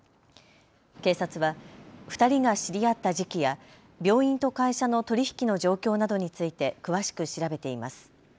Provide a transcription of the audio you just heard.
警察は２人が知り合った時期や病院と会社の取り引きの状況などについて詳しく調べています。